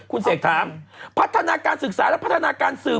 คุณเสกถามพัฒนาการศึกษาและพัฒนาการสืบ